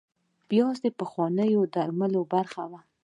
پیاز د پخوانیو درملو برخه وه